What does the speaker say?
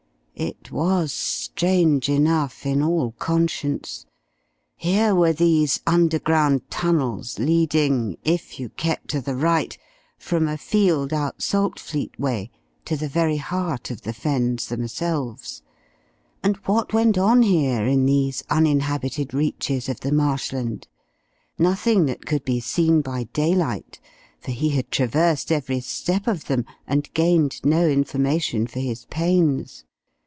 It was strange enough, in all conscience. Here were these underground tunnels leading, "if you kept to the right," from a field out Saltfleet way, to the very heart of the Fens themselves. And what went on here in these uninhabited reaches of the marshland? Nothing that could be seen by daylight, for he had traversed every step of them, and gained no information for his pains.